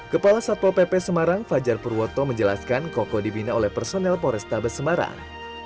kepala satpol pp semarang fajar purwoto menjelaskan koko dibina oleh personel porestabes semarang